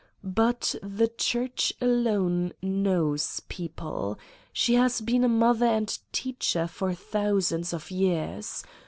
But the Church alone knows people. She has been a mother and teacher for thousands of years.